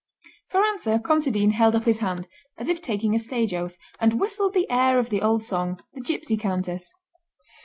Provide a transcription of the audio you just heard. For answer Considine held up his hand, as if taking a stage oath, and whistled the air of the old song, "The Gipsy Countess."